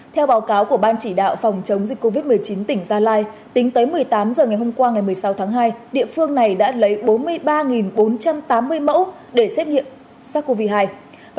theo báo cáo của ban chỉ đạo phòng chống dịch covid một mươi chín tỉnh gia lai tính tới một mươi tám h ngày hôm qua ngày một mươi sáu tháng hai địa phương này đã lấy bốn mươi ba bốn trăm tám mươi mẫu để xét nghiệm sars cov hai